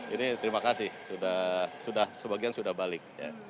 ini terima kasih sudah sebagian sudah balik